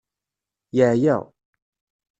Yeɛya.